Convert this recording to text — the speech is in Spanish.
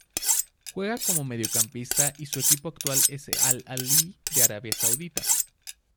Juega como mediocampista y su equipo actual es el Al-Ahli de Arabia Saudita.